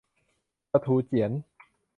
ปลาทูเจี๋ยน